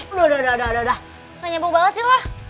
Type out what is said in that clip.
udah udah udah nggak nyambung banget sih lo